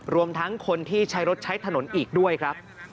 รวมทั้งคนที่ใช้รถใช้ถนนอีกด้วยครับ